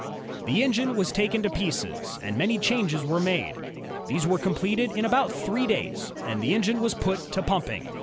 The engine was taken to pieces, and many changes were made. These were completed in about three days, and the engine put to pumping.